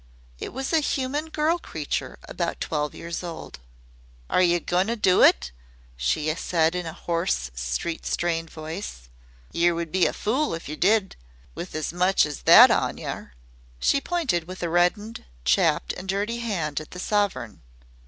It was a human girl creature about twelve years old. "Are yer goin' to do it?" she said in a hoarse, street strained voice. "Yer would be a fool if yer did with as much as that on yer." She pointed with a reddened, chapped, and dirty hand at the sovereign.